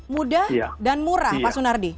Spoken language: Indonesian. mudah dan murah pak sunardi